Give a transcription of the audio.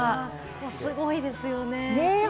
すごいですよね。